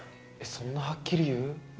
そんなはっきり言う？